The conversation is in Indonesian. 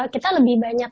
kita lebih banyak